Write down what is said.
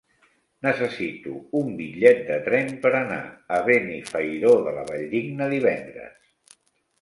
Necessito un bitllet de tren per anar a Benifairó de la Valldigna divendres.